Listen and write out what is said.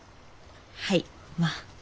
はいまあ。